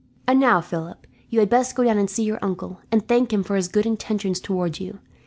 "And now, Philip, you had best go down and see your uncle, and thank him for his good intentions towards you.